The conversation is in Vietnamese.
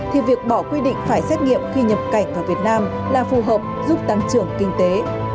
thì việc bỏ quy định phải xét nghiệm khi nhập cảnh vào việt nam là phù hợp giúp tăng trưởng kinh tế